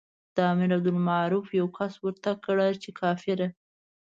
د امر بالمعروف یوه کس ورته کړه چې کافره.